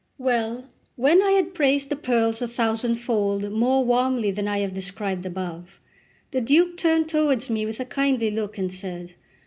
Well, when I had praised the pearls a thousandfold more warmly than I have described above, the Duke turned towards me with a kindly look, and said.